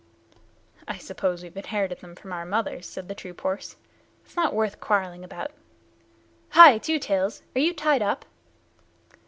"I suppose we've inherited them from our mothers," said the troop horse. "It's not worth quarreling about. Hi! Two Tails, are you tied up?"